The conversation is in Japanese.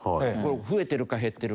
増えてるか減ってるか。